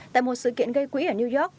tại một sự kiện gây quỹ ở new york